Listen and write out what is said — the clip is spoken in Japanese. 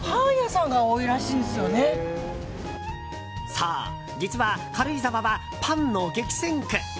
そう、実は軽井沢はパンの激戦区！